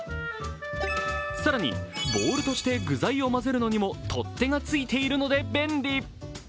更にボウルとして具材を混ぜるのにも、取っ手がついているので便利。